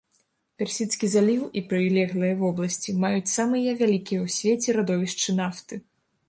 Персідскі заліў і прылеглыя вобласці маюць самыя вялікія ў свеце радовішчы нафты.